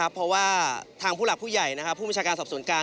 เพราะว่าทางผู้หลักผู้ใหญ่ผู้บัญชาการสอบสวนกลาง